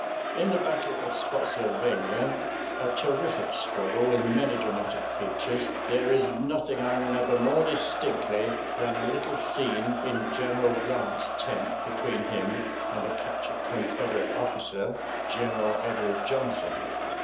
In the battle of Spottsylvania, a terrific struggle, with many dramatic features, there is nothing I remember more distinctly than a little scene in General Grant's tent between him and a captured Confederate officer, General Edward Johnson.